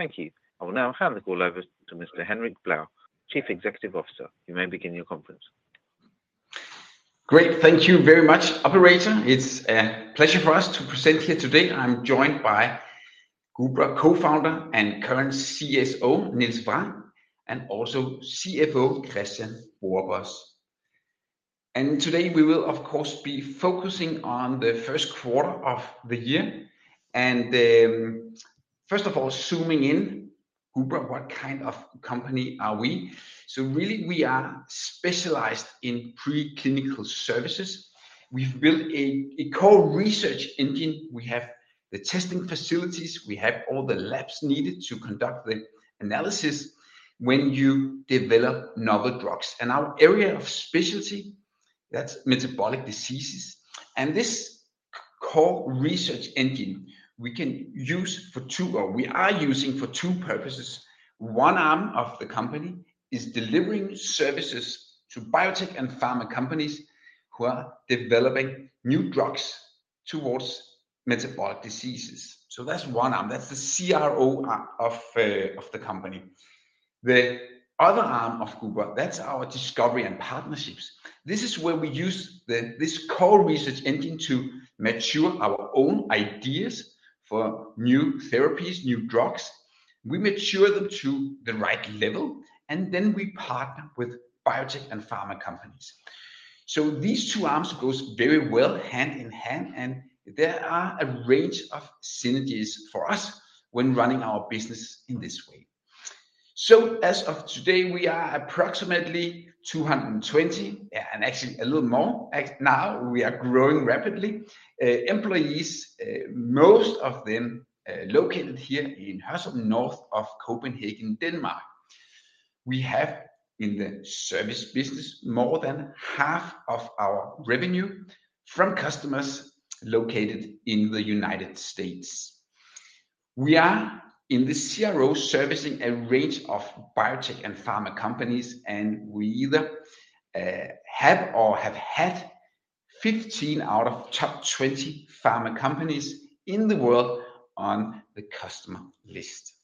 Thank you. I will now hand the call over to Mr. Henrik Blou, Chief Executive Officer. You may begin your conference. Great. Thank you very much, operator. It's a pleasure for us to present here today. I'm joined by Gubra Co-Founder and current CSO, Niels Vrang, and also CFO, Kristian Borbos. And today, we will, of course, be focusing on the first quarter of the year. And, first of all, zooming in, Gubra, what kind of company are we? So really, we are specialized in preclinical services. We've built a core research engine. We have the testing facilities, we have all the labs needed to conduct the analysis when you develop novel drugs. And our area of specialty, that's metabolic diseases. And this core research engine, we can use for two, or we are using for two purposes. One arm of the company is delivering services to biotech and pharma companies who are developing new drugs towards metabolic diseases. So that's one arm, that's the CRO arm of the company. The other arm of Gubra, that's our discovery and partnerships. This is where we use the, this core research engine to mature our own ideas for new therapies, new drugs. We mature them to the right level, and then we partner with biotech and pharma companies. So these two arms goes very well hand in hand, and there are a range of synergies for us when running our business in this way. So as of today, we are approximately 220, and actually a little more. As now, we are growing rapidly. Employees, most of them, located here in Hørsholm, north of Copenhagen, Denmark. We have, in the service business, more than half of our revenue from customers located in the United States. We are in the CRO, servicing a range of biotech and pharma companies, and we either have or have had 15 out of top 20 pharma companies in the world on the customer list.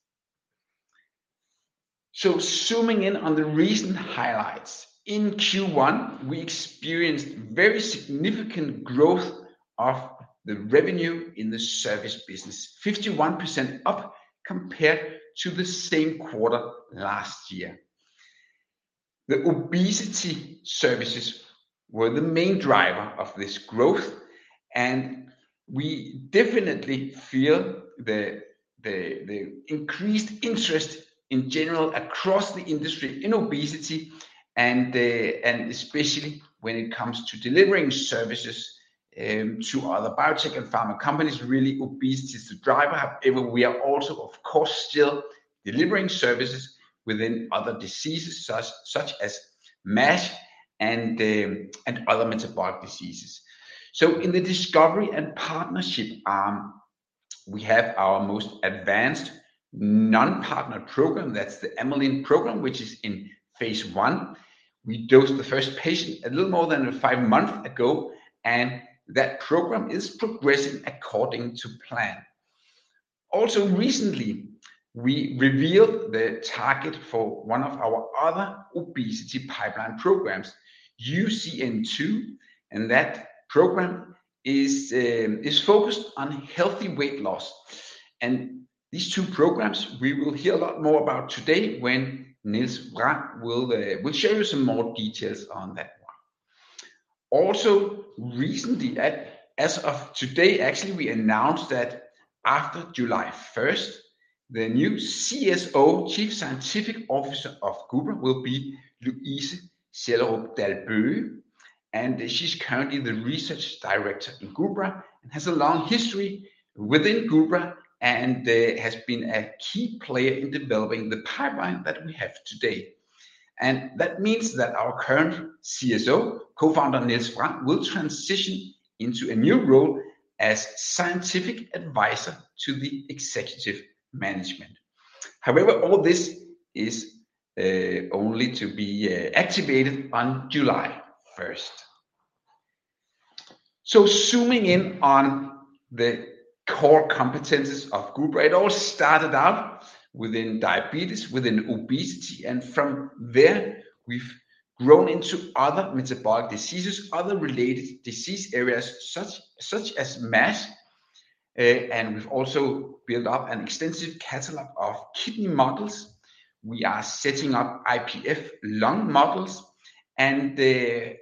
So zooming in on the recent highlights, in Q1, we experienced very significant growth of the revenue in the service business, 51% up compared to the same quarter last year. The obesity services were the main driver of this growth, and we definitely feel the increased interest in general across the industry in obesity and especially when it comes to delivering services to other biotech and pharma companies. Really, obesity is the driver. However, we are also, of course, still delivering services within other diseases, such as MASH and other metabolic diseases. So in the discovery and partnership arm, we have our most advanced non-partner program, that's the amylin program, which is in phase I. We dosed the first patient a little more than five months ago, and that program is progressing according to plan. Also recently, we revealed the target for one of our other obesity pipeline programs, UCN2, and that program is focused on healthy weight loss. These two programs, we will hear a lot more about today when Niels Vrang will share you some more details on that one. Also, recently, at. As of today, actually, we announced that after July first, the new CSO, Chief Scientific Officer of Gubra, will be Louise S. Dalbøge, and she's currently the Research Director in Gubra and has a long history within Gubra, and has been a key player in developing the pipeline that we have today. That means that our current CSO, co-founder, Niels Vrang, will transition into a new role as scientific advisor to the executive management. However, all this is only to be activated on July first. So zooming in on the core competencies of Gubra, it all started out within diabetes, within obesity, and from there, we've grown into other metabolic diseases, other related disease areas, such as MASH. And we've also built up an extensive catalog of kidney models. We are setting up IPF lung models, and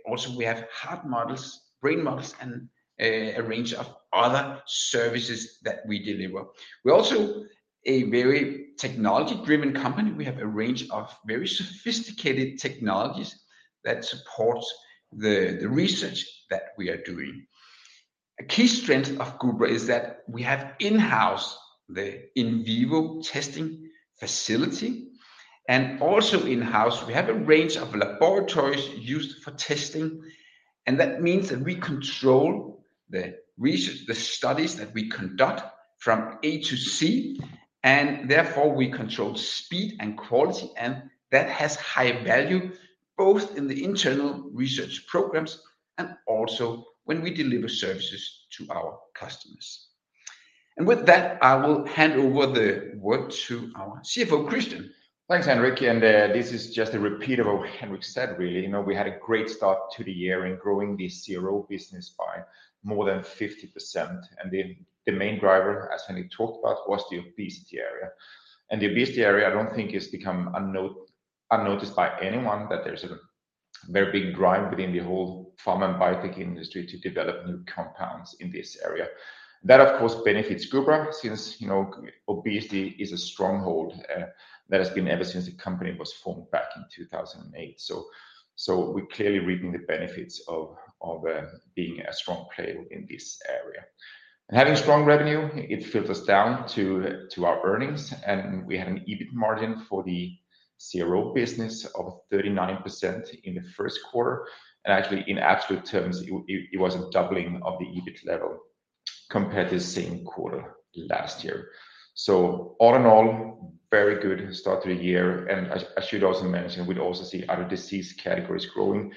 also we have heart models, brain models, and a range of other services that we deliver. We're also a very technology-driven company. We have a range of very sophisticated technologies that support the research that we are doing. A key strength of Gubra is that we have in-house the in vivo testing facility, and also in-house, we have a range of laboratories used for testing, and that means that we control the research, the studies that we conduct from A to Z, and therefore, we control speed and quality, and that has high value, both in the internal research programs and also when we deliver services to our customers. And with that, I will hand over the word to our CFO, Kristian. Thanks, Henrik, and this is just a repeat of what Henrik said, really. You know, we had a great start to the year in growing the CRO business by more than 50%. And the main driver, as Henrik talked about, was the obesity area. And the obesity area, I don't think has become unnoticed by anyone, that there's a very big drive within the whole pharma and biotech industry to develop new compounds in this area. That, of course, benefits Gubra, since, you know, obesity is a stronghold that has been ever since the company was formed back in 2008. So, we're clearly reaping the benefits of being a strong player in this area. Having strong revenue, it filters down to our earnings, and we had an EBIT margin for the CRO business of 39% in the first quarter. And actually, in absolute terms, it was a doubling of the EBIT level compared to the same quarter last year. So all in all, very good start to the year. And as you'd also mentioned, we'd also see other disease categories growing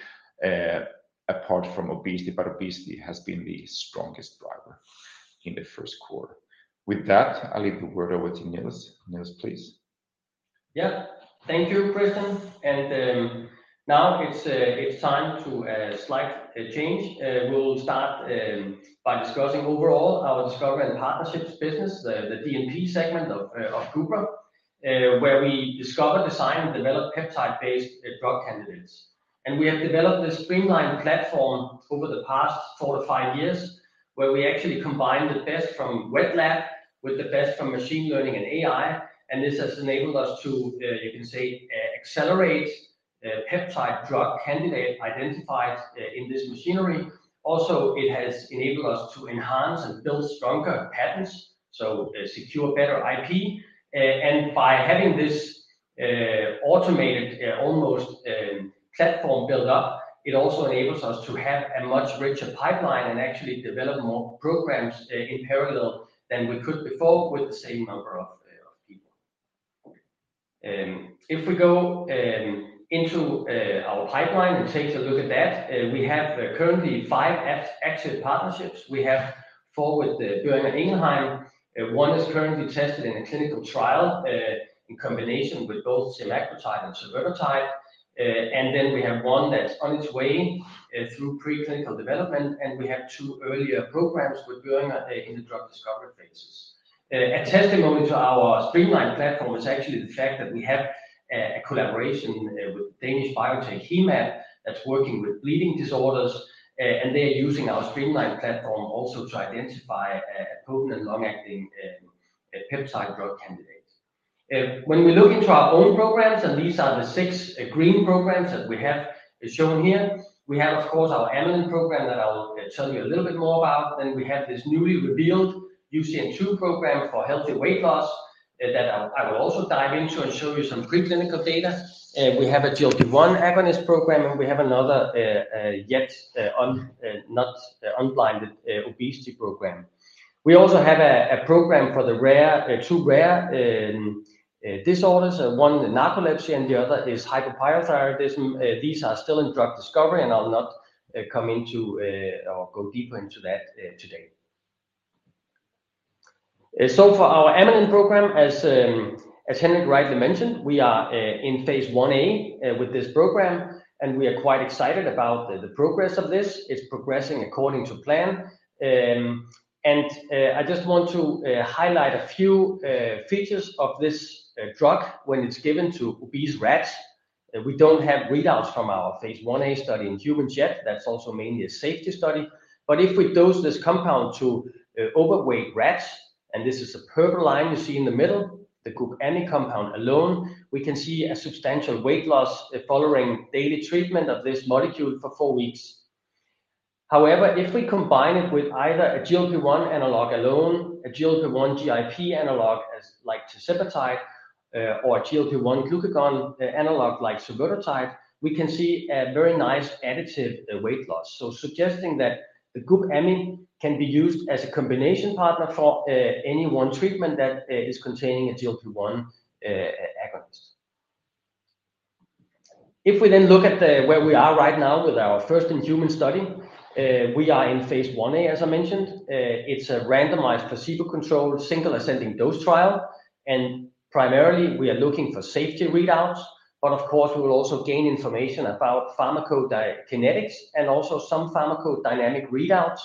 apart from obesity, but obesity has been the strongest driver in the first quarter. With that, I'll leave the word over to Niels. Niels, please. Yeah. Thank you, Kristian. Now it's time for a slight change. We'll start by discussing overall our discovery and partnerships business, the D&P segment of Gubra, where we discover, design, and develop peptide-based drug candidates. And we have developed this streaMLine platform over the past 4-5 years, where we actually combine the best from wet lab with the best from machine learning and AI, and this has enabled us to, you can say, accelerate peptide drug candidate identification in this machinery. Also, it has enabled us to enhance and build stronger patents, to secure better IP. And by having this automated almost platform built up, it also enables us to have a much richer pipeline and actually develop more programs in parallel than we could before with the same number of people. If we go into our pipeline and take a look at that, we have currently five active partnerships. We have four with Boehringer Ingelheim. One is currently tested in a clinical trial in combination with both semaglutide and survodutide. And then we have one that's on its way through preclinical development, and we have two earlier programs with Boehringer in the drug discovery phases. A testimony to our streaMLine platform is actually the fact that we have a collaboration with Danish biotech Hemab, that's working with bleeding disorders, and they are using our streaMLine platform also to identify potent and long-acting peptide drug candidates. When we look into our own programs, and these are the six green programs that we have shown here, we have, of course, our amylin program that I will tell you a little bit more about. Then we have this newly revealed UCN2 program for healthy weight loss that I will also dive into and show you some preclinical data. We have a GLP-1 agonist program, and we have another obesity program. We also have a program for the two rare disorders. One, the narcolepsy, and the other is hypothyroidism. These are still in drug discovery, and I'll not come into, or go deeper into that, today. So for our amylin program, as Henrik rightly mentioned, we are in phase I-A with this program, and we are quite excited about the progress of this. It's progressing according to plan. I just want to highlight a few features of this drug when it's given to obese rats. We don't have readouts from our phase I-A study in humans yet. That's also mainly a safety study. But if we dose this compound to overweight rats, and this is the purple line you see in the middle, the GUBamy compound alone, we can see a substantial weight loss following daily treatment of this molecule for four weeks. However, if we combine it with either a GLP-1 analog alone, a GLP-1 GIP analog, as like tirzepatide, or a GLP-1 glucagon analog like survodutide, we can see a very nice additive weight loss. So suggesting that the GUBamy can be used as a combination partner for any one treatment that is containing a GLP-1 agonist. If we then look at the where we are right now with our first in-human study, we are in phase I-A, as I mentioned. It's a randomized, placebo-controlled, single-ascending dose trial, and primarily, we are looking for safety readouts, but of course, we will also gain information about pharmacokinetics, and also some pharmacodynamic readouts,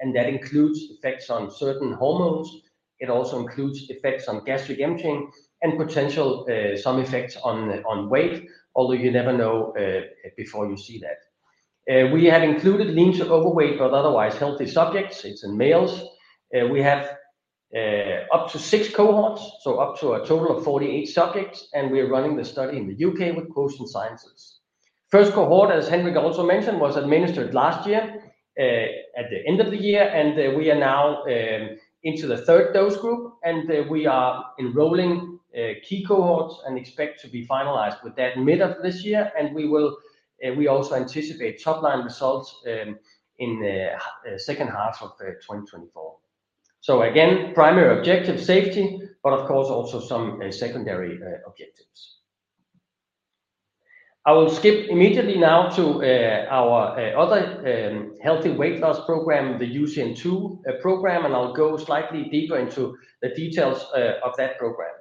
and that includes effects on certain hormones. It also includes effects on gastric emptying and potential, some effects on, on weight, although you never know, before you see that. We have included lean to overweight, but otherwise healthy subjects. It's in males. We have, up to six cohorts, so up to a total of 48 subjects, and we are running the study in the U.K. with Quotient Sciences. First cohort, as Henrik also mentioned, was administered last year at the end of the year, and we are now into the third dose group, and we are enrolling key cohorts and expect to be finalized with that mid of this year. We also anticipate top-line results in the second half of 2024. So again, primary objective, safety, but of course, also some secondary objectives. I will skip immediately now to our other healthy weight loss program, the UCN2 program, and I'll go slightly deeper into the details of that program.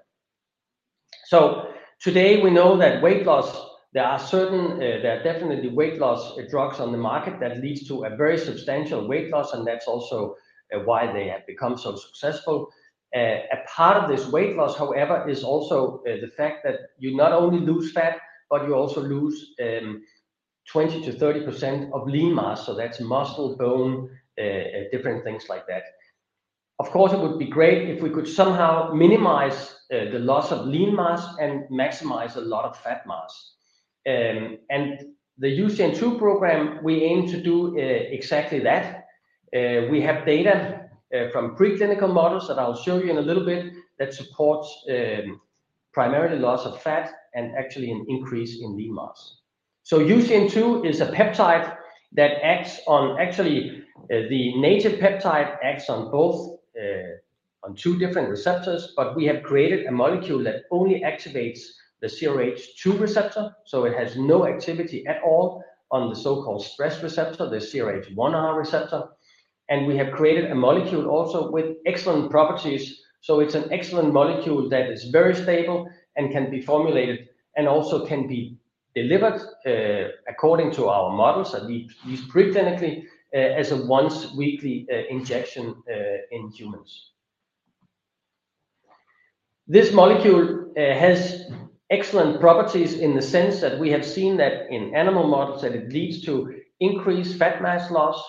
So today, we know that weight loss, there are certain, there are definitely weight loss, drugs on the market that leads to a very substantial weight loss, and that's also, why they have become so successful. A part of this weight loss, however, is also, the fact that you not only lose fat, but you also lose, 20%-30% of lean mass. So that's muscle, bone, different things like that. Of course, it would be great if we could somehow minimize, the loss of lean mass and maximize a lot of fat mass. And the UCN2 program, we aim to do, exactly that. We have data, from preclinical models that I'll show you in a little bit, that supports, primarily loss of fat and actually an increase in lean mass. So UCN2 is a peptide that acts on actually, the native peptide acts on both, on two different receptors, but we have created a molecule that only activates the CRH2 receptor, so it has no activity at all on the so-called stress receptor, the CRH1R receptor. And we have created a molecule also with excellent properties. So it's an excellent molecule that is very stable and can be formulated, and also can be delivered, according to our models that we use preclinically, as a once weekly injection, in humans. This molecule has excellent properties in the sense that we have seen that in animal models, that it leads to increased fat mass loss,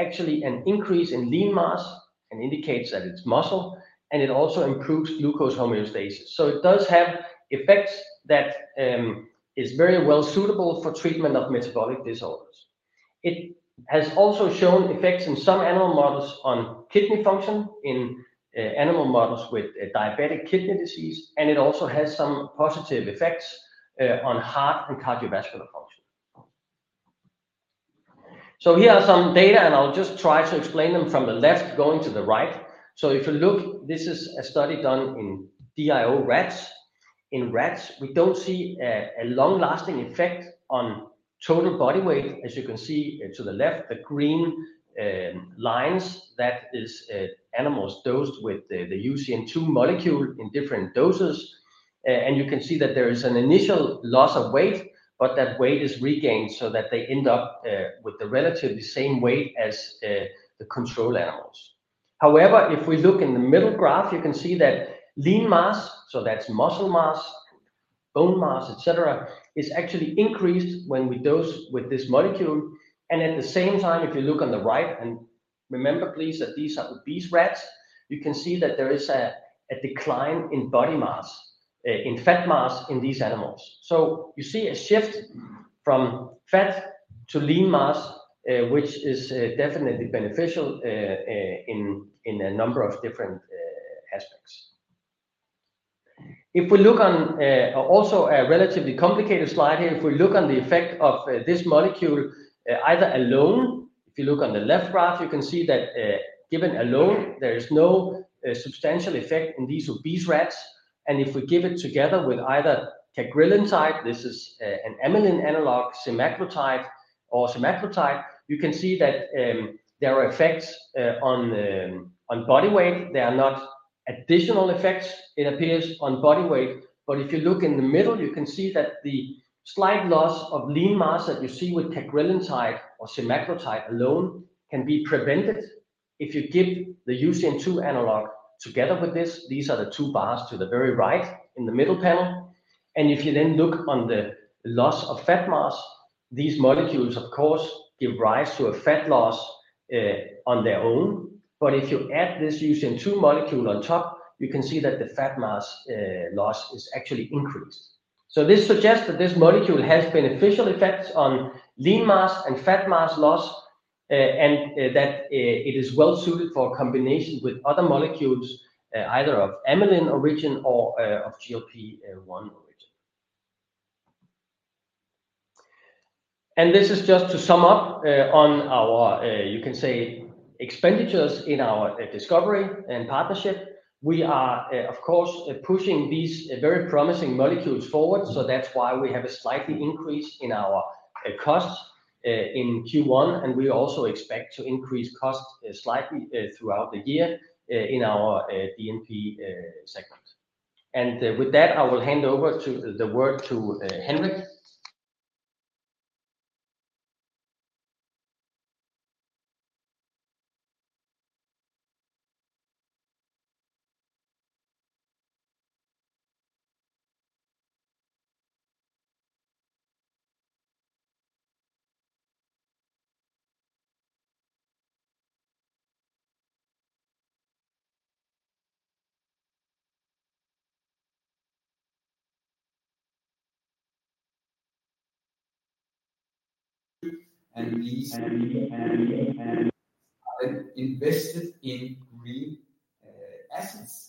actually an increase in lean mass and indicates that it's muscle, and it also improves glucose homeostasis. So it does have effects that is very well suitable for treatment of metabolic disorders. It has also shown effects in some animal models on kidney function, in animal models with a diabetic kidney disease, and it also has some positive effects on heart and cardiovascular function. So here are some data, and I'll just try to explain them from the left going to the right. So if you look, this is a study done in DIO rats. In rats, we don't see a long-lasting effect on total body weight. As you can see to the left, the green lines, that is animals dosed with the UCN2 molecule in different doses. You can see that there is an initial loss of weight, but that weight is regained so that they end up with the relatively same weight as the control animals. However, if we look in the middle graph, you can see that lean mass, so that's muscle mass, bone mass, et cetera, is actually increased when we dose with this molecule. And at the same time, if you look on the right and remember, please, that these are obese rats, you can see that there is a decline in body mass, in fat mass in these animals. So you see a shift from fat to lean mass, which is definitely beneficial in a number of different aspects. If we look on also a relatively complicated slide here, if we look on the effect of this molecule either alone, if you look on the left graph, you can see that given alone, there is no substantial effect in these obese rats. And if we give it together with either cagrilintide, this is an amylin analog, semaglutide or semaglutide, you can see that there are effects on body weight. They are not additional effects it appears on body weight. But if you look in the middle, you can see that the slight loss of lean mass that you see with cagrilintide or semaglutide alone can be prevented if you give the UCN2 analog together with this. These are the two bars to the very right in the middle panel. And if you then look on the loss of fat mass, these molecules, of course, give rise to a fat loss on their own. But if you add this UCN2 molecule on top, you can see that the fat mass loss is actually increased. So this suggests that this molecule has beneficial effects on lean mass and fat mass loss, and that it is well suited for combination with other molecules, either of amylin origin or of GLP-1 origin. And this is just to sum up on our, you can say, expenditures in our discovery and partnership. We are, of course, pushing these very promising molecules forward. So that's why we have a slightly increase in our costs in Q1. We also expect to increase costs slightly throughout the year in our D&P segment. With that, I will hand over the word to Henrik. These investments in green assets.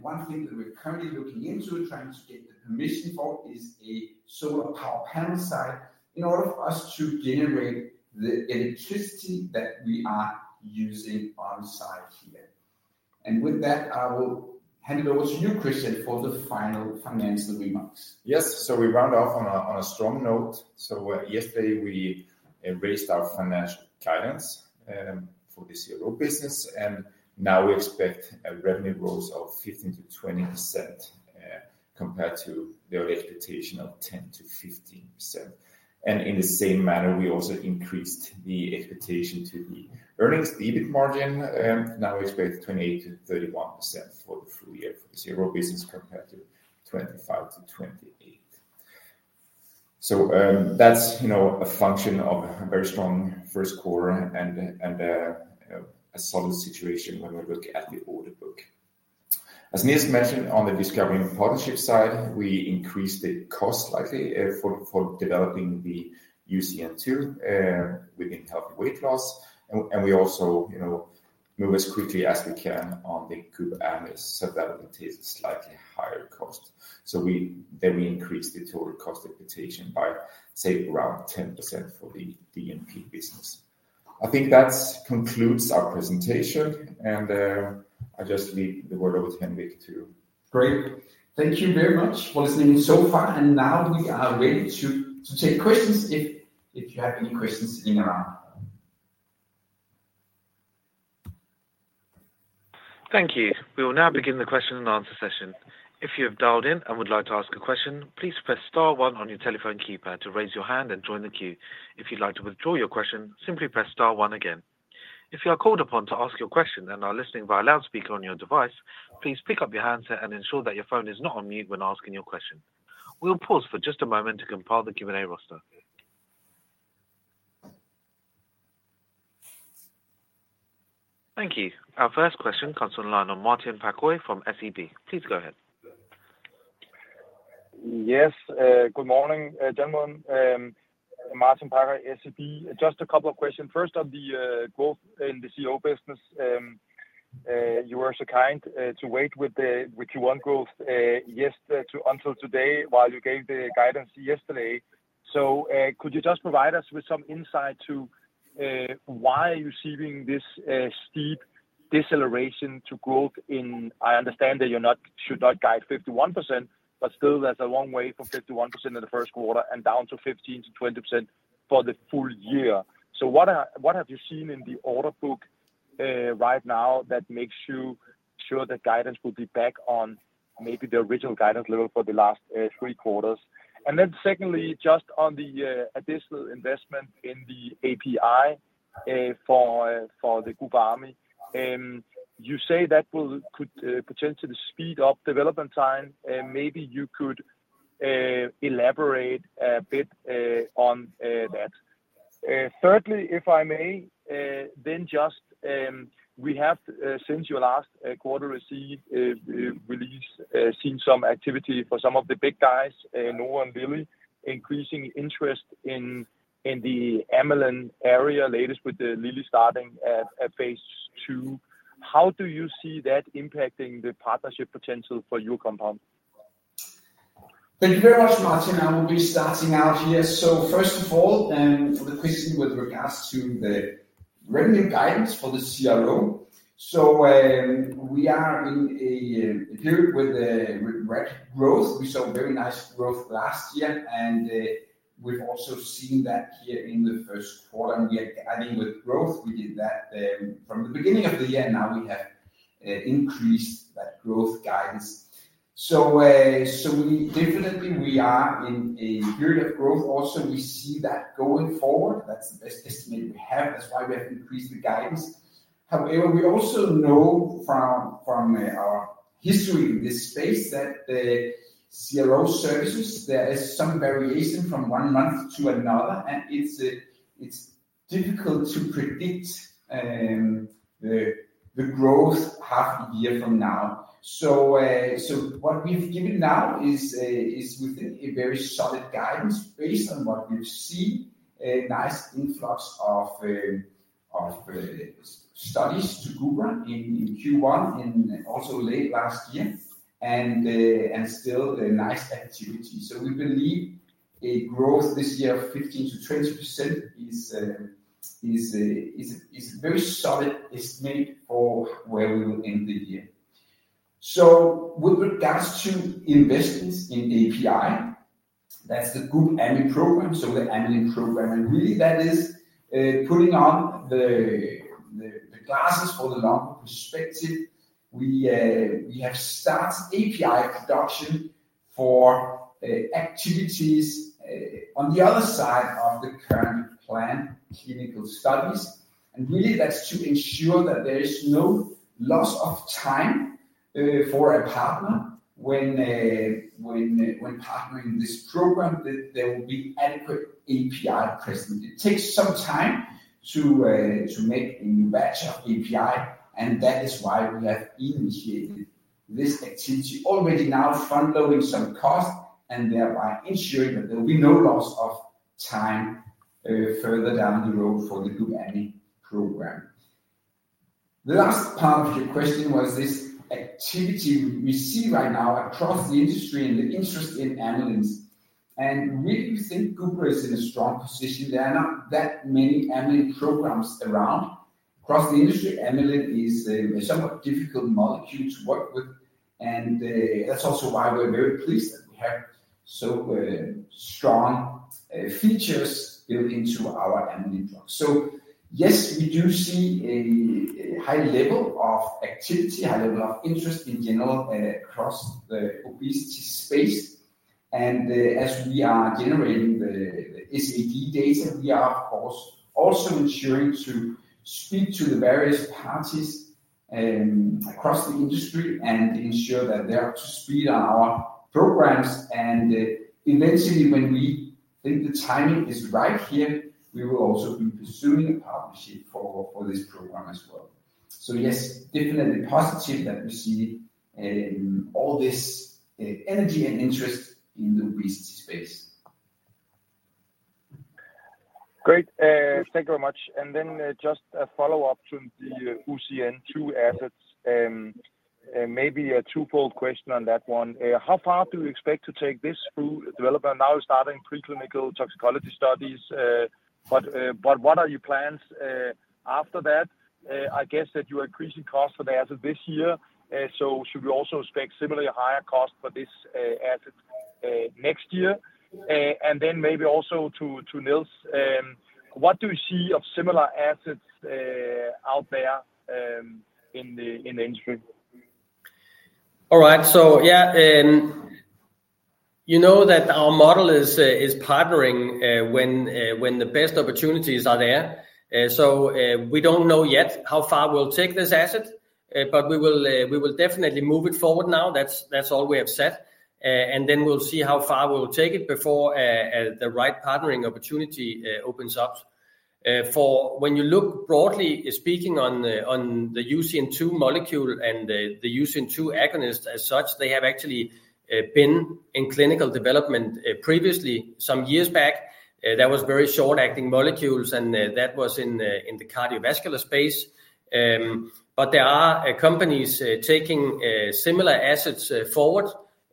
One thing that we're currently looking into, trying to get the permission for, is a solar power panel site in order for us to generate the electricity that we are using on site here. And with that, I will hand it over to you, Kristian, for the final financial remarks. Yes. So we round off on a strong note. So, yesterday we raised our financial guidance for this year business, and now we expect a revenue growth of 15%-20%, compared to the expectation of 10%-15%. And in the same manner, we also increased the expectation to the earnings, EBIT margin, now expect 28%-31% for the full year for the CRO business, compared to 25%-28%. So, that's, you know, a function of a very strong first quarter and a solid situation when we look at the order book. As Niels mentioned, on the discovering partnership side, we increased the cost slightly for developing the UCN2 within healthy weight loss. We also, you know, move as quickly as we can on the GUBamy, so that it is slightly higher cost. So we increase the total cost expectation by, say, around 10% for the D&P business. I think that's concludes our presentation, and I just leave the word over to Henrik, too. Great. Thank you very much for listening so far, and now we are ready to take questions if you have any questions in the room. Thank you. We will now begin the question and answer session. If you have dialed in and would like to ask a question, please press star one on your telephone keypad to raise your hand and join the queue. If you'd like to withdraw your question, simply press star one again. If you are called upon to ask your question and are listening via loudspeaker on your device, please pick up your handset and ensure that your phone is not on mute when asking your question. We'll pause for just a moment to compile the Q&A roster. Thank you. Our first question comes on the line from Martin Parkhøi from SEB. Please go ahead. Yes, good morning, gentlemen. Martin Parkhøi, SEB. Just a couple of questions. First, on the growth in the CRO business. You were so kind to wait with the Q1 growth yesterday until today, while you gave the guidance yesterday. So, could you just provide us with some insight to why you're seeing this steep deceleration to growth in... I understand that you're not should not guide 51%, but still, that's a long way from 51% in the first quarter and down to 15%-20% for the full year. So what have you seen in the order book right now that makes you sure the guidance will be back on maybe the original guidance level for the last three quarters? And then secondly, just on the additional investment in the API for the GUBamy. You say that could potentially speed up development time, and maybe you could elaborate a bit on that. Thirdly, if I may, then just we have since your last quarter seen some activity for some of the big guys, Novo and Lilly, increasing interest in the amylin area, latest with the Lilly starting at phase II. How do you see that impacting the partnership potential for your compound? Thank you very much, Martin. I will be starting out here. So first of all, for the question with regards to the revenue guidance for the CRO. So, we are in a period with a regrowth. We saw very nice growth last year, and we've also seen that here in the first quarter. And we are adding with growth, we did that from the beginning of the year, now we have increased that growth guidance. So, so we definitely we are in a period of growth. Also, we see that going forward, that's the best estimate we have. That's why we have increased the guidance. However, we also know from our history in this space, that the CRO services, there is some variation from one month to another, and it's difficult to predict the growth half a year from now. So, what we've given now is within a very solid guidance based on what we've seen, a nice influx of studies to Gubra in Q1, in also late last year, and still a nice activity. So we believe a growth this year of 15%-20% is a very solid estimate for where we will end the year. So with regards to investments in API, that's the GUBamy program, so the amylin program, and really that is putting on the glasses for the longer perspective. We, we have started API production for activities on the other side of the current plan, clinical studies. Really, that's to ensure that there is no loss of time for a partner when partnering this program, that there will be adequate API present. It takes some time to make a new batch of API, and that is why we have initiated this activity already now, front-loading some costs, and thereby ensuring that there will be no loss of time further down the road for the GUBamy program. The last part of your question was this activity we see right now across the industry and the interest in amylins. And we think Gubra is in a strong position. There are not that many amylin programs around. Across the industry, amylin is a somewhat difficult molecule to work with, and that's also why we're very pleased that we have so strong features built into our amylin drug. So yes, we do see a high level of activity, high level of interest in general across the obesity space. And as we are generating the SAD data, we are, of course, also ensuring to speak to the various parties across the industry and ensure that they are up to speed on our programs. And eventually, when we think the timing is right here, we will also be pursuing a partnership for this program as well. So yes, definitely positive that we see all this energy and interest in the obesity space. Great, thank you very much. And then, just a follow-up to the UCN2 assets. Maybe a twofold question on that one. How far do you expect to take this through development now, starting preclinical toxicology studies? But what are your plans after that? I guess that you are increasing cost for the asset this year. So should we also expect similarly higher cost for this asset next year? And then maybe also to Niels. What do you see of similar assets out there in the industry? All right. So yeah, you know that our model is partnering when the best opportunities are there. So, we don't know yet how far we'll take this asset, but we will definitely move it forward now. That's all we have said. And then we'll see how far we'll take it before the right partnering opportunity opens up. For when you look broadly, speaking on the UCN2 molecule and the UCN2 agonist as such, they have actually been in clinical development previously, some years back. That was very short-acting molecules, and that was in the cardiovascular space. But there are companies taking similar assets forward,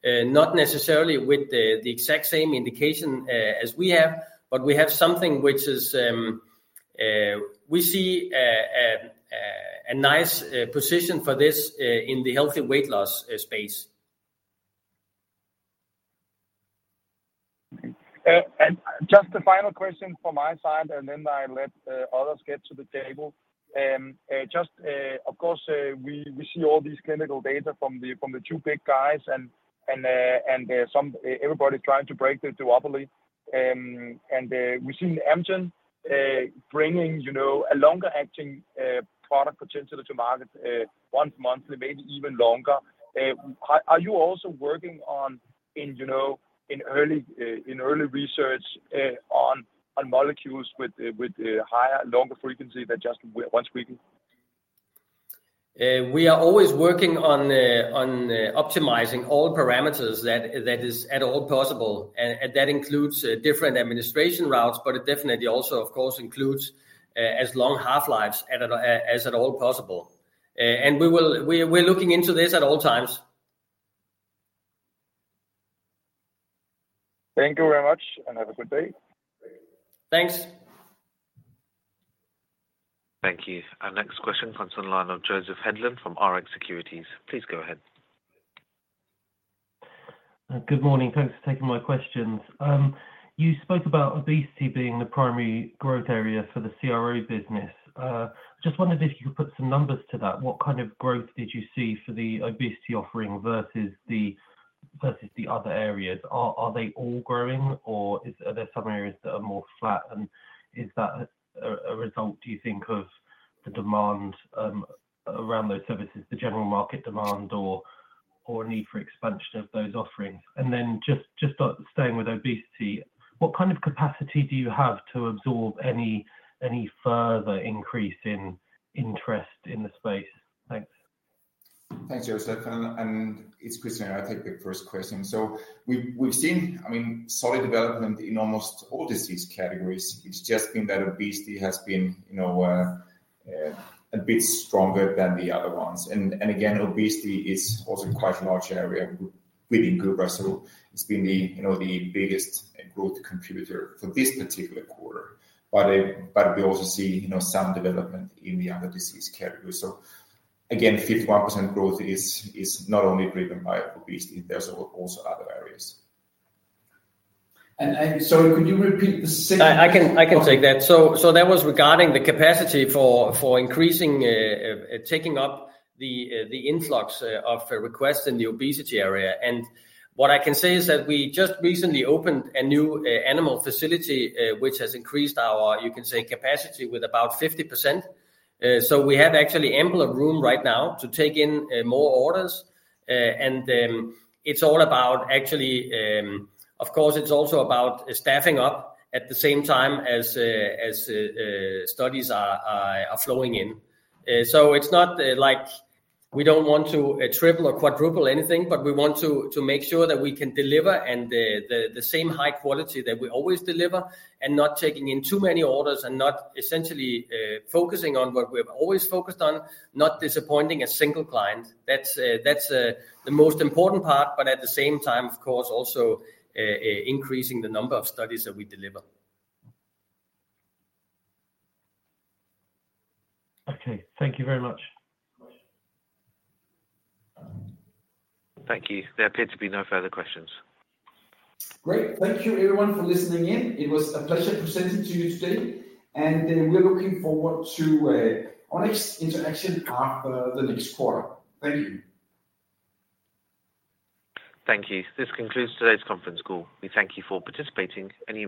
not necessarily with the exact same indication as we have, but we have something which is, we see a nice position for this in the healthy weight loss space. And just a final question from my side, and then I let others get to the table. Just, of course, we see all these clinical data from the two big guys and some everybody trying to break the duopoly. And we've seen Amgen bringing, you know, a longer-acting product potentially to market once monthly, maybe even longer. Are you also working on, you know, in early research on molecules with higher, longer frequency than just once weekly? We are always working on optimizing all parameters that is at all possible, and that includes different administration routes, but it definitely also, of course, includes as long half-lives as possible. And we're looking into this at all times. Thank you very much, and have a good day. Thanks. Thank you. Our next question comes on line of Joseph Hedden from RX Securities. Please go ahead. Good morning. Thanks for taking my questions. You spoke about obesity being the primary growth area for the CRO business. Just wondered if you could put some numbers to that. What kind of growth did you see for the obesity offering versus the other areas? Are they all growing, or are there some areas that are more flat? And is that a result, do you think, of the demand around those services, the general market demand or a need for expansion of those offerings? And then just staying with obesity, what kind of capacity do you have to absorb any further increase in interest in the space? Thanks. Thanks, Joseph, and it's Kristian. I take the first question. So we've seen, I mean, solid development in almost all disease categories. It's just been that obesity has been, you know, a bit stronger than the other ones. And again, obesity is also quite a large area within Gubra, so it's been the, you know, the biggest growth contributor for this particular quarter. But we also see, you know, some development in the other disease categories. So again, 51% growth is not only driven by obesity, there's also other areas. Sorry, could you repeat the second. I can take that. So that was regarding the capacity for increasing taking up the influx of requests in the obesity area. And what I can say is that we just recently opened a new animal facility which has increased our, you can say, capacity with about 50%. So we have actually ample of room right now to take in more orders. And it's all about actually. Of course, it's also about staffing up at the same time as studies are flowing in. So it's not like we don't want to triple or quadruple anything, but we want to make sure that we can deliver and the same high quality that we always deliver and not taking in too many orders, and not essentially focusing on what we have always focused on, not disappointing a single client. That's the most important part, but at the same time, of course, also increasing the number of studies that we deliver. Okay. Thank you very much. Thank you. There appear to be no further questions. Great, thank you everyone for listening in. It was a pleasure presenting to you today, and we're looking forward to our next interaction after the next quarter. Thank you. Thank you. This concludes today's conference call. We thank you for participating, and you may-